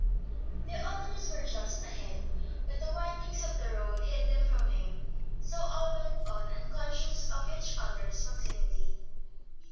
The others were just ahead, but the windings of the road hid them from him; so all went on, unconscious of each other's proximity.